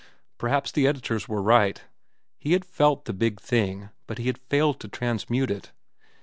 Perhaps the editors were right. He had felt the big thing, but he had failed to transmute it.